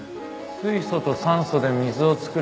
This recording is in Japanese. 水素と酸素で水を作れば